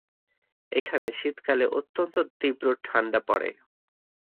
এখানে শীতকালে অত্যন্ত তীব্র ঠান্ডা পড়ে।